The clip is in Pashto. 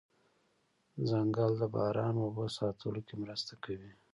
ځنګل د باران اوبو ساتلو کې مرسته کوي